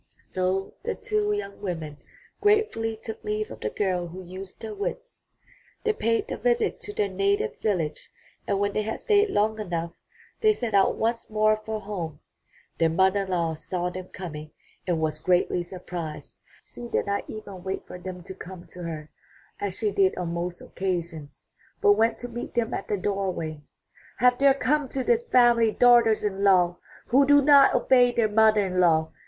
So the two young women gratefully took leave of the girl who used her wits. They paid the visit to their native village and when they had stayed long enough they set out once more for home. Their mother in law saw them coming and was greatly surprised. She did not even wait for them to 275 MY BOOK HOUSE come to her, as she did on most occasions, but went to meet them at the doorway. Have there come to this family daughters in law who do not obey their mother in law?"